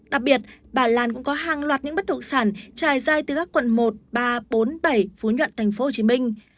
đặc biệt bà lan cũng có hàng loạt những bất động sản trải dài từ các quận một ba bốn bảy phú nhuận tp hcm